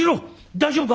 大丈夫か！？